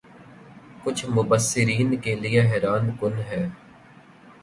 کچھ مبصرین کے لئے حیران کن ہے